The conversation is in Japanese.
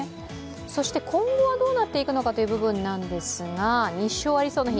今後はどうなっていくのかという部分なんですが、日照がありそうな日